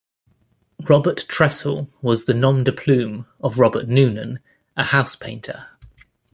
Robert Tressell was the nom-de-plume of Robert Noonan, a house painter.